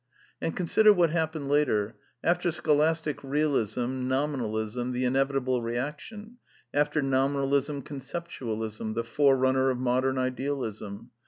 And consider what happened later. After Scholastic Bealism, ilTominalism, the inevitable reaction; after N^ominalism, Conceptual ism, the forerunner of modem Idealism.